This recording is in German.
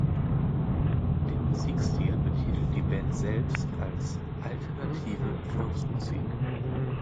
Den Musikstil betitelt die Band selbst als „Alternative Volksmusik“.